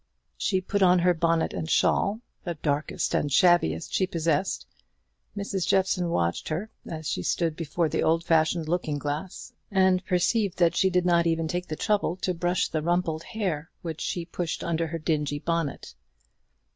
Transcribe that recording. She put on her bonnet and shawl the darkest and shabbiest she possessed. Mrs. Jeffson watched her, as she stood before the old fashioned looking glass, and perceived that she did not even take the trouble to brush the rumpled hair which she pushed under her dingy bonnet.